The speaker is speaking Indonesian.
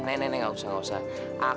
aku bisa di ruangan yang sama dengan satria